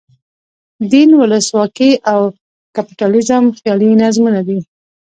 دین، ولسواکي او کپیټالیزم خیالي نظمونه دي.